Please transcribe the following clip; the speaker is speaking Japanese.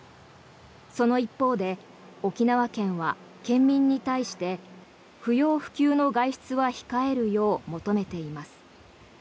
その一方で沖縄県は県民に対して不要不急の外出は控えるよう求めています。